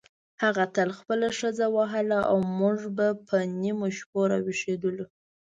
هغه تل خپله ښځه وهله او موږ به په نیمو شپو راویښېدلو.